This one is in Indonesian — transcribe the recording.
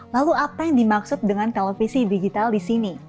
lalu apa yang dimaksud dengan televisi digital di sini